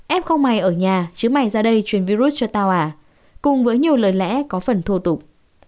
ép không mày ở nhà chứ mày ra đây truyền virus cho tao à cùng với nhiều lời lẽ có phần thô tục